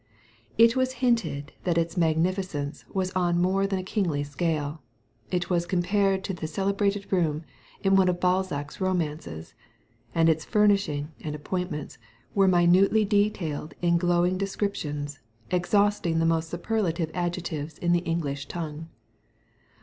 It was hinted that its magnificence was on more than a kingly scale ; it was compared to the celebrated room in one of Balzac's romances, and its furnishing and appointments were minutely detailed in glowing descriptions, exhausting the most superlative ad jectives in the English tongue.